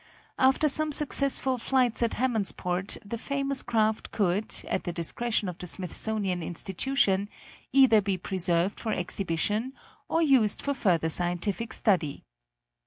After some successful flights at Hammondsport the famous craft could, at the discretion of the Smithsonian Institution, either be preserved for exhibition or used for further scientific study.